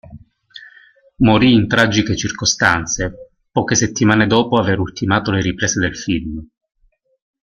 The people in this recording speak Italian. Morì in tragiche circostanze poche settimane dopo aver ultimato le riprese del film..